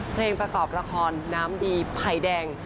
เพลงประกอบละครน้ำดีไผ่แดง